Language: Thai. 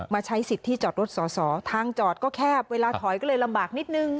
ใช้สิทธิ์ที่จอดรถสอสอทางจอดก็แคบเวลาถอยก็เลยลำบากนิดนึง